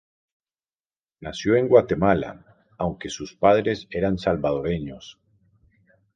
Nació en Guatemala, aunque sus padres eran salvadoreños.